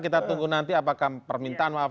kita tunggu nanti apakah permintaan maaf